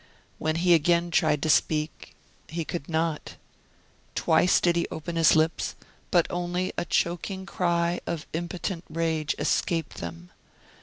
When he again tried to speak, he could not. Twice did he open his lips, but only a choking cry of impotent rage escaped them.